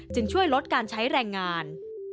ช่วยลดการใช้แรงงาน